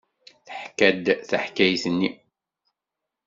Teḥka-d taḥkayt-nni.